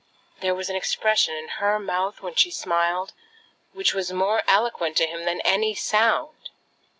There was an expression in her mouth when she smiled, which was more eloquent to him than any sound.